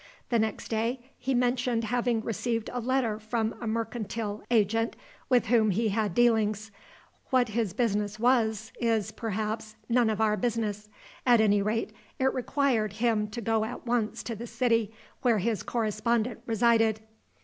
The next day he mentioned having received a letter from a mercantile agent with whom he had dealings. What his business was is, perhaps, none of our business. At any rate, it required him to go at once to the city where his correspondent resided.